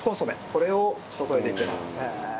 これを注いでいきます。